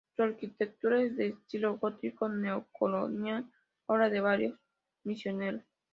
Su arquitectura es de estilo gótico neocolonial, obra de varios misioneros.